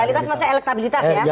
realitas maksudnya elektabilitas ya